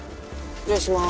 失礼します。